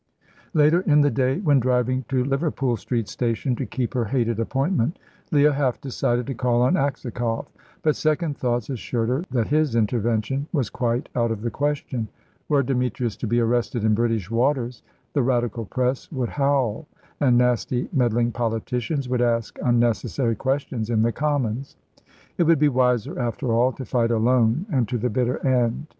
Later in the day, when driving to Liverpool Street Station to keep her hated appointment, Leah half decided to call on Aksakoff. But second thoughts assured her that his intervention was quite out of the question. Were Demetrius to be arrested in British waters the Radical press would howl, and nasty meddling politicians would ask unnecessary questions in the Commons. It would be wiser, after all, to fight alone and to the bitter end.